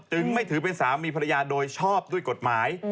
ไม่ถือเป็นสามีภรรยาโดยชอบด้วยกฎหมาย